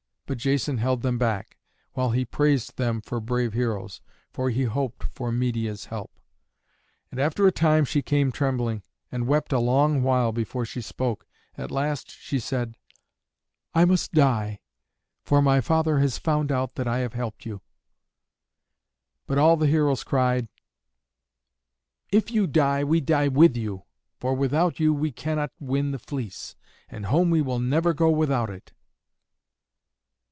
But Jason held them back, while he praised them for brave heroes, for he hoped for Medeia's help. And after a time she came trembling, and wept a long while before she spoke. At last she said, "I must die, for my father has found out that I have helped you." But all the heroes cried, "If you die we die with you, for without you we cannot win the fleece, and home we will never go without it."